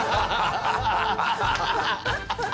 ハハハハ！